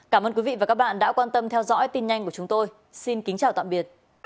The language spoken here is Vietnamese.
cảm ơn các bạn đã theo dõi và hẹn gặp lại